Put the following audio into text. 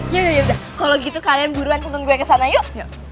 yaudah yaudah kalo gitu kalian buruan sentun gue kesana yuk